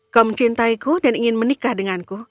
kau mencintaiku dan ingin menikah denganku